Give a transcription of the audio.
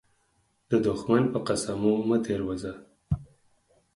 د دښمن په قسمو مه تير وزه.